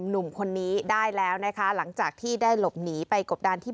หนุ่มคนนี้ได้แล้วนะคะหลังจากที่ได้หลบหนีไปกบดานที่